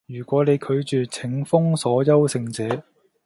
如果你拒絕，請封鎖優勝者